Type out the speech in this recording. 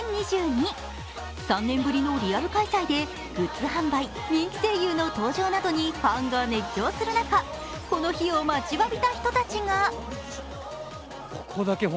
３年ぶりのリアル開催でグッズ販売人気声優の登場などにファンが熱狂する中、この日を待ちわびた人たちが。